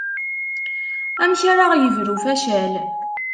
Amek ara ɣ-yebru facal.